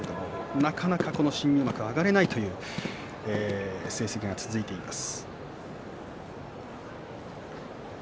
なかなか新入幕上がれないという成績が続いています。